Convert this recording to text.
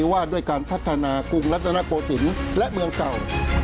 ว่าด้วยการพัฒนากรุงรัฐนโกศิลป์และเมืองเก่า